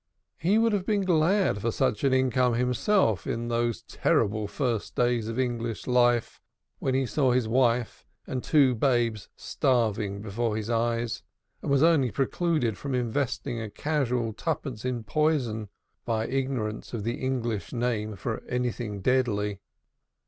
He would have been glad of such an income himself in those terrible first days of English life when he saw his wife and his two babes starving before his eyes, and was only precluded from investing a casual twopence in poison by ignorance of the English name for anything deadly.